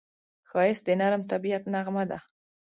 ښایست د نرم طبیعت نغمه ده